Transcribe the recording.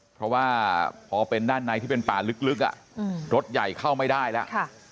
เพราะว่าพอเป็นด้านในที่เป็นป่าลึกรถใหญ่เข้าไม่ได้แล้ว